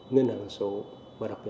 ngân hàng số